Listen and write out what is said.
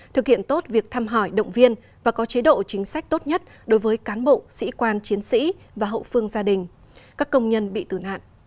thực hiện tốt việc thăm hỏi động viên và có chế độ chính sách tốt nhất đối với cán bộ sĩ quan chiến sĩ và hậu phương gia đình các công nhân bị tử nạn